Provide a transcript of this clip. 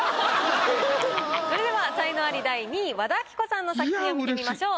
それでは才能アリ第２位和田アキ子さんの作品を見てみましょう。